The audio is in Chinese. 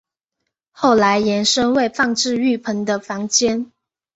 后来延伸为放置浴盆的房间。